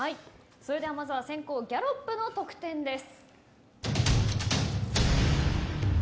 まずは先攻ギャロップの得点です。